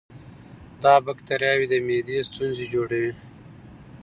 دا بکتریاوې د معدې ستونزې جوړوي.